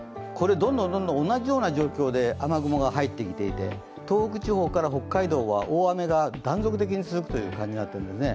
どんどん同じような状況で雨雲が入ってきていて、東北地方から北海道は大雨が断続的に続くという感じになっているんですね。